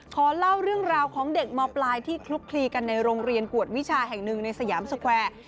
ขอเล่าเรื่องราวของเด็กมปลายที่คลุกคลีกันในโรงเรียนกวดวิชาแห่งหนึ่งในสยามสแควร์